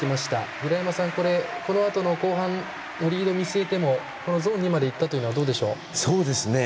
平山さん、このあとの後半リード、見据えてもゾーン２までいったというのはどうでしょう。